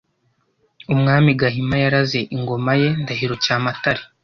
umwami gahima yaraze ingoma ye ndahiro cyamatare